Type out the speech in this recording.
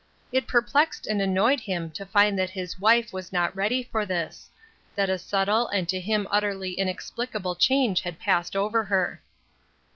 It perplexed and annoyed him to find that his wife was not ready for this ; that a subtle and to him utterly inexplicable change had passed over her.